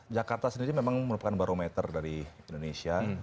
jakarta sendiri memang merupakan barometer dari indonesia